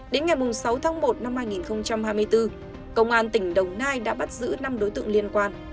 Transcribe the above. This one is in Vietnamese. đến ngày sáu tháng một năm hai nghìn hai mươi bốn công an tỉnh đồng nai đã bắt giữ năm đối tượng liên quan